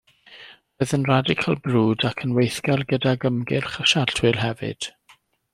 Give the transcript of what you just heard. Roedd yn Radical brwd ac yn weithgar gydag ymgyrch y Siartwyr hefyd.